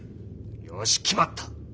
よし決まった！